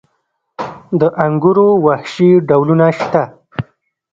د انګورو وحشي ډولونه شته؟